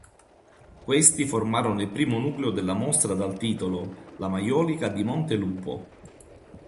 Questi formarono il primo nucleo della mostra dal titolo "La maiolica di Montelupo.